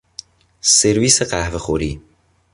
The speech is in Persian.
سرویس قهوهخوری